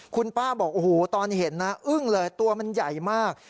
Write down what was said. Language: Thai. คุณป้าบอกโอ้โหตอนเห็นนะอึ้งเลยตัวมันใหญ่มาก